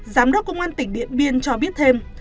giám đốc công an tỉnh điện biên cho biết thêm